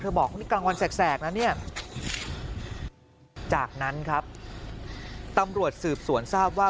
บอกนี่กลางวันแสกนะเนี่ยจากนั้นครับตำรวจสืบสวนทราบว่า